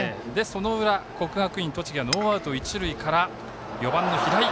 その裏国学院栃木がノーアウト一塁から４番の平井。